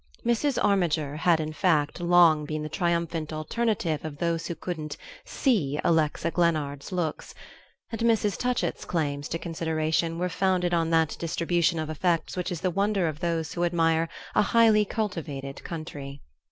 Mrs. Armiger had in fact long been the triumphant alternative of those who couldn't "see" Alexa Glennard's looks; and Mrs. Touchett's claims to consideration were founded on that distribution of effects which is the wonder of those who admire a highly cultivated country.